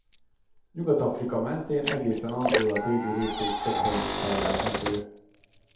Nyugat-Afrika mentén egészen Angola déli részéig több helyen is fellelhető.